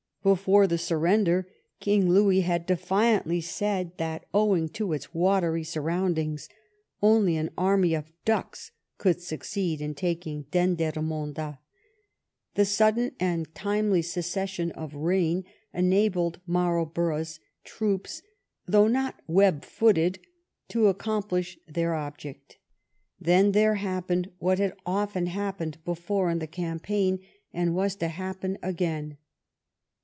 '' Before the surrender King Louis had defiantly said that, owing to its watery surroundings, only an army of ducks could succeed in taking Dendermonde. The sudden and timely cessation of rain enabled Marl borough's troops, although not web footed, to accom plish their object. Then there happened what had often happened before in the campaign and was to happen again.